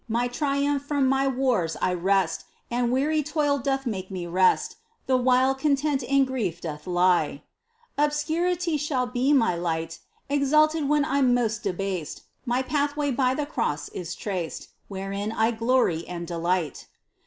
My triumph from my wars I wrest And weary toil doth make my rest. The wliile content in grief doth lie ! Obscurity shall be my hght ! Exalted when I'm most abased. My pathwa}^ bj^ the cross is traced, WTierein I glory and delight.